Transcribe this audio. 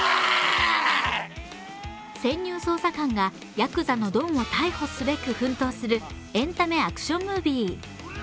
潜入捜査官がやくざのドンを逮捕すべく奮闘するエンタメ・アクションムービー。